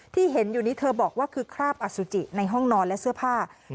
ที่เห็นอยู่นี้เธอบอกว่าคือคราบอสุจิในห้องนอนและเสื้อผ้า